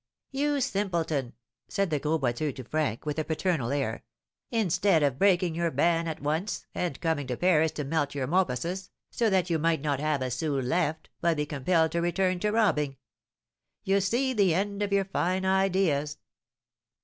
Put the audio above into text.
"You simpleton!" said the Gros Boiteux to Frank, with a paternal air; "instead of breaking your ban at once, and coming to Paris to melt your mopusses, so that you might not have a sou left, but be compelled to return to robbing. You see the end of your fine ideas."